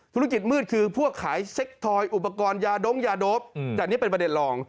ธุรกิจมืดคือพวกขายเซ็กทอยอุปกรณ์ยาด้งยาโดปแต่นี่เป็นประเด็นรอง